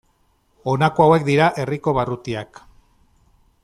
Honako hauek dira herriko barrutiak.